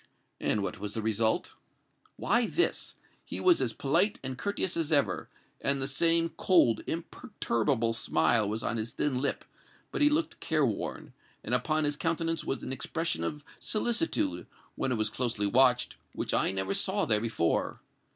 "And what was the result?" "Why, this. He was as polite and courteous as ever, and the same cold, imperturbable smile was on his thin lip; but he looked careworn, and upon his countenance was an expression of solicitude, when it was closely watched, which I never saw there before.